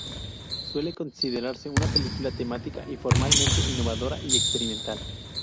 Suele considerarse una película temática y formalmente innovadora y experimental.